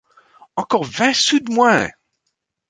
Encore vingt sous de moins !…